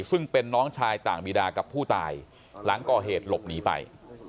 ซึ่งเป็นน้องชายต่างบีดากับผู้ตายหลังก่อเหตุหลบหนีไป